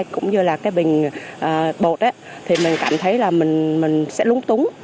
cũng như là cái bình bột thì mình cảm thấy là mình sẽ lúng túng